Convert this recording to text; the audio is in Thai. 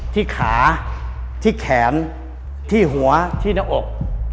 ที่ขาที่แขนที่หัวที่หน้าอก